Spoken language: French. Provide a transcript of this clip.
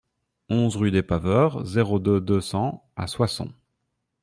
onze rue des Paveurs, zéro deux, deux cents à Soissons